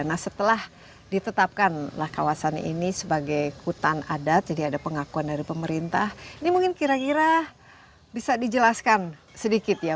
nah setelah ditetapkan lah kawasan ini sebagai hutan adat jadi ada pengakuan dari pemerintah ini mungkin kira kira bisa dijelaskan sedikit ya